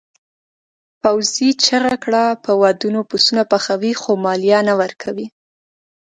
پوځي چیغه کړه په ودونو پسونه پخوئ خو مالیه نه ورکوئ.